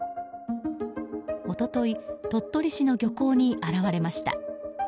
一昨日鳥取市の漁港に現れました。